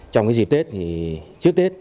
trong dịp tết trước tết